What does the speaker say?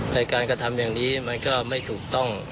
ในการกระทำอย่างนี้มันก็ไม่ถูกต้อง